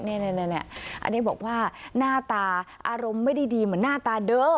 อันนี้บอกว่าหน้าตาอารมณ์ไม่ได้ดีเหมือนหน้าตาเด้อ